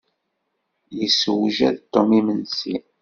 Yessewjad Tom imensi.